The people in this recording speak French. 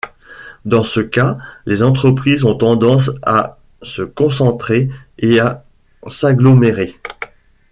Dans ce cas, les entreprises ont tendance à se concentrer et à s'agglomérer.